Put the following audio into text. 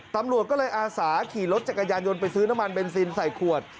ตำรวจก็เลยอาสาขี่รถจักรยานยนต์ไปซื้อน้ำมันเบนซินใส่ขวด